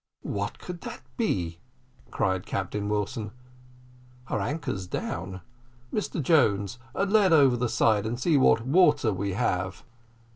"What could that be?" cried Captain Wilson. "Her anchor's down. Mr Jones, a lead over the side, and see what water we have."